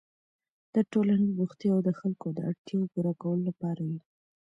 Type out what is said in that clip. دا ټولنیز بوختیاوې د خلکو د اړتیاوو پوره کولو لپاره وې.